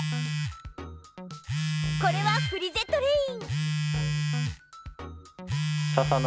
これはフリゼトレイン。